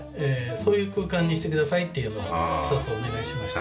そういう空間にしてくださいっていうのは一つお願いしました。